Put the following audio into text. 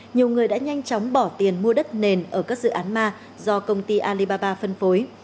nhiều người đã nhanh chóng bỏ tiền mua đất nền ở các dự án ma do công ty alibaba phân phối